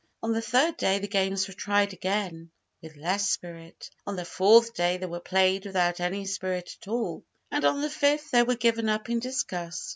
On the third day the games were tried again, with less spirit. On the fourth day they were played without any spirit at all, and on the fifth they were given up in disgust.